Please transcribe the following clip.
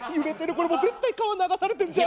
これもう絶対川流されてんじゃん」。